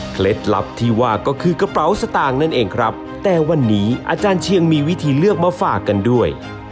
ลับที่ว่าก็คือกระเป๋าสตางค์นั่นเองครับแต่วันนี้อาจารย์เชียงมีวิธีเลือกมาฝากกันด้วย